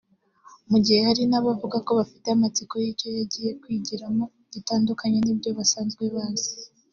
mu gihe hari n’abavuga ko bafite amatsiko y’icyo bagiye kwigiramo gitandukanye n’ibyo basazwe bazi